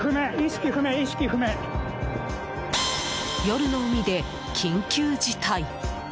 夜の海で緊急事態！